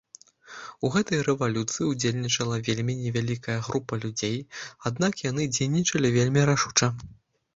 У гэтай рэвалюцыі ўдзельнічала вельмі невялікая група людзей, аднак яны дзейнічалі вельмі рашуча.